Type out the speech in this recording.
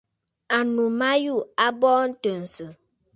Ànnù ma yû a bɔɔ ntɨ̀nsə̀.